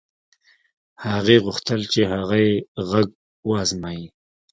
هغې غوښتل چې هغه يې غږ و ازمايي.